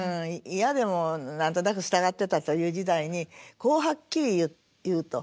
嫌でも何となく従ってたという時代にこうはっきり言うと。